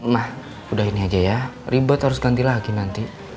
mah udah ini aja ya ribet harus ganti lagi nanti